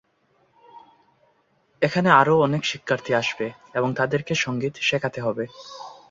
এখানে আরো অনেক শিক্ষার্থী আসবে এবং তাদেরকে সংগীত শেখাতে হবে।